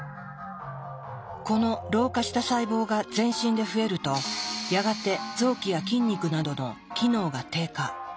この老化した細胞が全身で増えるとやがて臓器や筋肉などの機能が低下。